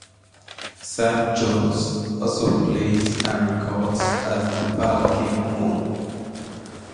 Sam Jones also plays and records as 'The Balky Mule'.